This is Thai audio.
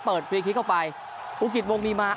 เปิดฟรีคลิกเข้าไปอุกิตวงศ์มีมา